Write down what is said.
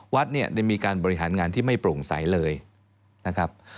วัดเนี่ยได้มีการบริหารงานที่ไม่โปร่งใสเลยนะครับ